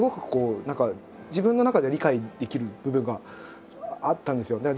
こう何か自分の中では理解できる部分があったんですよ。